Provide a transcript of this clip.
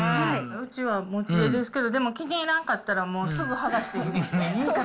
うちは持ち家ですけど、でも気に入らんかったら、もう、すぐ剥が言い方。